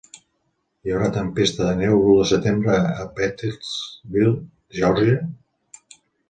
Hi haurà tempesta de neu l'u de setembre a Bechtelsville, Geòrgia?